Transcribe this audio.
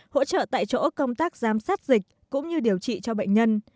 hỗ trợ tại chỗ công tác giám sát dịch cũng như điều trị cho bệnh nhân